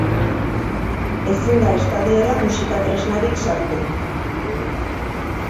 Ezin da estadiora musika tresnarik sartu.